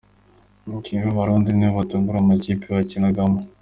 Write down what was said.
Abakinnyi b’Abarundi nibo bazatunga amakipe bakinagamo.